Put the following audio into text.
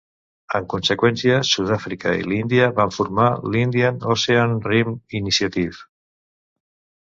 En conseqüència, Sud-àfrica i l'Índia van formar l'Indian Ocean Rim Initiative.